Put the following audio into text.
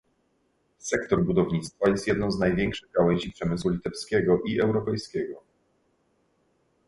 Sektor budownictwa jest jedną z największych gałęzi przemysłu litewskiego i europejskiego